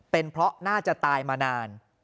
เป็นเพราะน่าจะตายมานาน